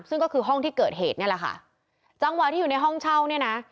ซึ่งก็คือห้องที่เกิดเหตุนี่แหละค่ะจังหวะที่อยู่ในห้องเช่าเนี่ยนะ